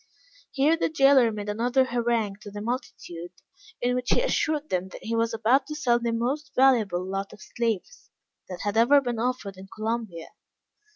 Here the jailor made another harangue to the multitude, in which he assured them that he was just about to sell the most valuable lot of slaves that had ever been offered in Columbia.